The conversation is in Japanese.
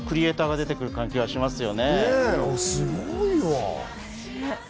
すごいわ。